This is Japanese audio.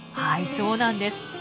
はいそうなんです。